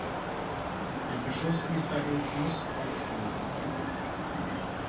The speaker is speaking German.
Der Beschuss Israels muss aufhören.